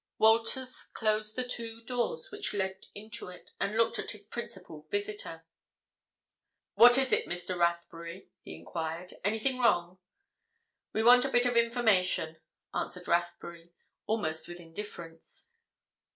Walters closed the two doors which led into it and looked at his principal visitor. "What is it, Mr. Rathbury?" he enquired. "Anything wrong?" "We want a bit of information," answered Rathbury, almost with indifference.